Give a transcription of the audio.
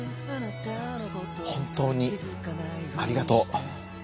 本当にありがとう。